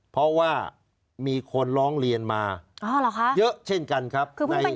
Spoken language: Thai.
เพราะว่ามีคนร้องเรียนมาเยอะเช่นกันครับ